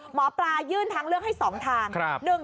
หมอปลายื่นทางเลือกให้๒ทาง